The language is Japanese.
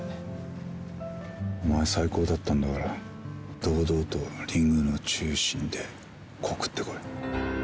お前最高だったんだから堂々とリングの中心で告ってこい。